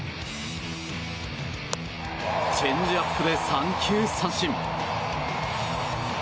チェンジアップで三球三振！